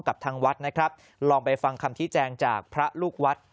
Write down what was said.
กับทางวัดนะครับลองไปฟังคำชี้แจงจากพระลูกวัด